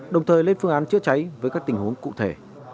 đồng thời lên phương án chữa cháy với các tình huống cụ thể